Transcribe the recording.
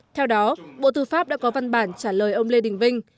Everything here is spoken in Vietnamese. theo đó bộ tư pháp đã có văn bản trả lời ông lê đình vinh